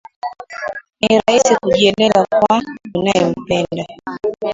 Ni rahisi kujieleza kwa unayempenda